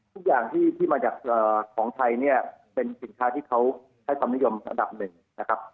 ทุกอย่างที่มาจากของไทยเนี่ยเป็นสินค้าที่เขาให้ความนิยมระดับหนึ่งนะครับ